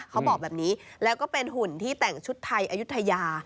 เขาบอกแบบนี้แล้วก็เป็นหุ่นที่แต่งชุดไทยอายุทยา